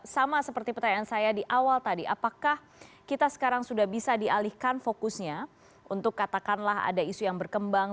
sama seperti pertanyaan saya di awal tadi apakah kita sekarang sudah bisa dialihkan fokusnya untuk katakanlah ada isu yang berkembang